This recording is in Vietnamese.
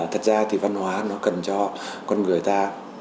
thật ra thì văn hóa nó cần cho con người ta